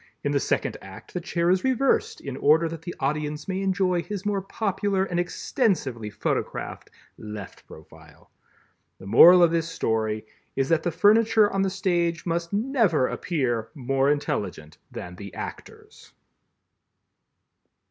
In the second act, the chair is reversed in order that the audience may enjoy his more popular and extensively photographed left profile. The moral of this story is that the furniture on the stage must never appear more intelligent than the actors.